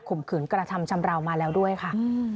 มขืนกระทำชำราวมาแล้วด้วยค่ะ